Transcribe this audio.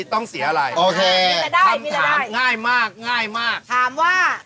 ต้องเสียอะไรคำถามง่ายมากถามว่ามีแล้วได้